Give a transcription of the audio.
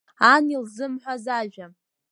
Ан илзымҳәаз ажәа…